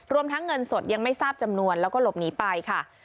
ทั้งเงินสดยังไม่ทราบจำนวนแล้วก็หลบหนีไปค่ะ